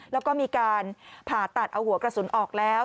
แล้วก็มีการผ่าตัดเอาหัวกระสุนออกแล้ว